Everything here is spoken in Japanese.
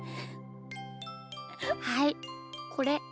はいこれ。